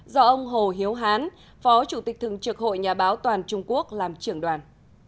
do ông hồ hiếu hán phó chủ tịch thường trực hội nhà báo toàn trung quốc làm trưởng đoàn